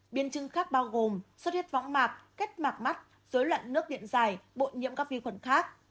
biên chứng khác bao gồm suất hiết võng mạc kết mạc mắt dối loạn nước điện dài bộ nhiễm các vi khuẩn khác